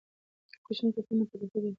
کوچني ټپونه په دقیق ډول معلومېږي.